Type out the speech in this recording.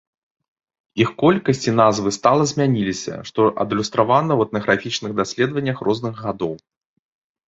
Іх колькасць і назвы стала змяняліся, што адлюстравана ў этнаграфічных даследаваннях розных гадоў.